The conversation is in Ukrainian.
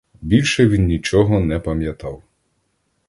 Більше він нічого не пам'ятав.